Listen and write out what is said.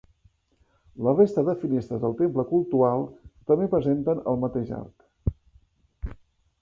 La resta de finestres del temple cultual també presenten el mateix arc.